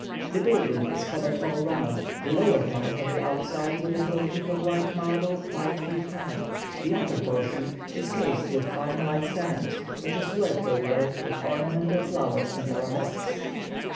The building is covered all round the lower part of the outside with a coating of white marble five feet high; the upper portion is cased with fine white cement, which is worked over with ornamental flowers and arabesques.